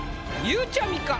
ゆうちゃみか？